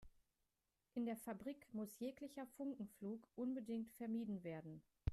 In der Fabrik muss jeglicher Funkenflug unbedingt vermieden werden.